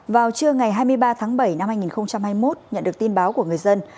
vào trưa ngày hai mươi ba tháng bảy năm hai nghìn hai mươi một nhận được tin báo của người dân